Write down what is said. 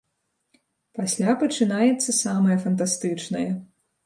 Пасля пачынаецца самае фантастычнае.